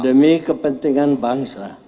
demi kepentingan bangsa